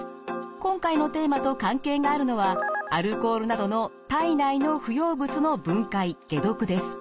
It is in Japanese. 今回のテーマと関係があるのは「アルコールなどの体内の不要物の分解・解毒」です。